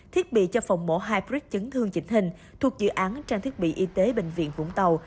thiết bị cho phòng mổ hybrid chấn thương chỉnh hình thuộc dự án trang thiết bị y tế bệnh viện vũng tàu